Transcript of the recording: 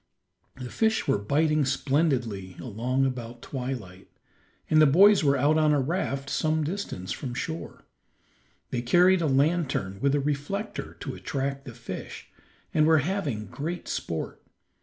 The fish were biting splendidly along about twilight, and the boys were out on a raft some distance from shore. They carried a lantern with a reflector to attract the fish, and were having great sport.